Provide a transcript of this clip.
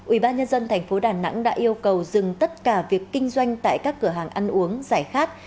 ubnd tp đà nẵng đã yêu cầu dừng tất cả việc kinh doanh tại các cửa hàng ăn uống giải khát